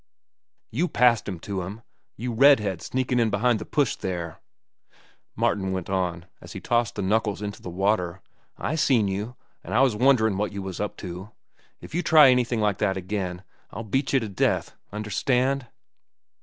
"You passed 'em to him, you red head sneakin' in behind the push there," Martin went on, as he tossed the knuckles into the water. "I seen you, an' I was wonderin' what you was up to. If you try anything like that again, I'll beat cheh to death. Understand?"